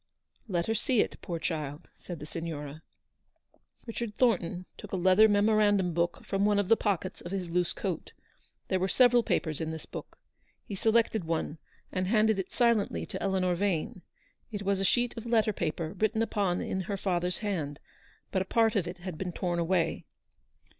" Let her see it, poor child," said the Signora. Richard Thornton took a leather memorandum book from one of the pockets of his loose coat. There were several papers in this book. He selected one, and handed it silently to Eleanor Vane. It was a sheet of letter paper, written upon 170 in her father's hand, but a part of it had been torn away.